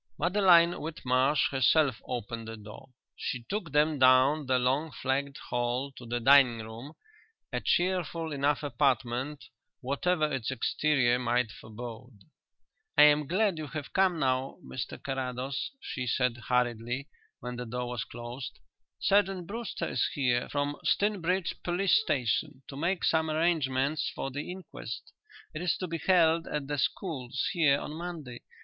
Madeline Whitmarsh herself opened the door. She took them down the long flagged hall to the dining room, a cheerful enough apartment whatever its exterior might forebode. "I am glad you have come now, Mr Carrados," she said hurriedly, when the door was closed. "Sergeant Brewster is here from Stinbridge police station to make some arrangements for the inquest. It is to be held at the schools here on Monday.